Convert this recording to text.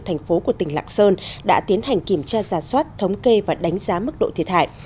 thành phố của tỉnh lạng sơn đã tiến hành kiểm tra giả soát thống kê và đánh giá mức độ thiệt hại